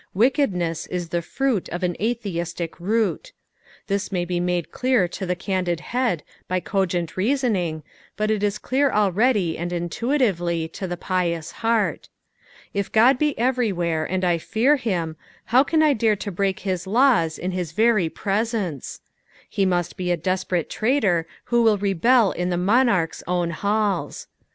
Wickedness is the fruit of an utheistic root. Thia may be made clear to the candid head by cogent reasoning, but it is clear already and intuitively to the pious heart. If Ood be everywhere, and I fear him, how can I dare to break his laws in his very presence t He must he a desperate traitor who will rebel in the monsrch'B own halls.